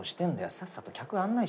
さっさと客案内しろよ。